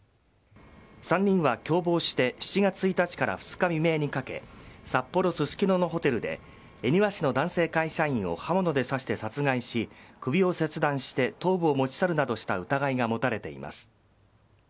３人は共謀して７月１日から２日未明にかけ札幌・ススキノのホテルで恵庭市の男性会社員を刃物で刺して殺害し首を切断して頭部を持ち去るなどした疑いが持たれています。